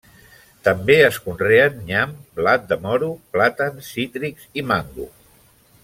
També es conreen nyam, blat de moro, plàtans, cítrics i mango.